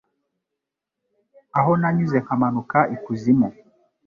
aho nanyuze nkamanuka ikuzimu